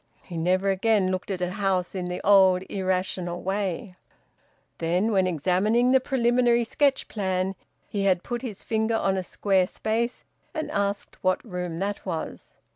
He never again looked at a house in the old irrational way. Then, when examining the preliminary sketch plan, he had put his finger on a square space and asked what room that was.